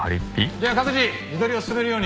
じゃあ各自地取りを進めるように。